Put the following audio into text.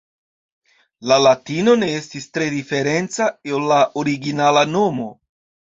La Latino ne estis tre diferenca el la originala nomo.